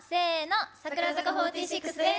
櫻坂４６です。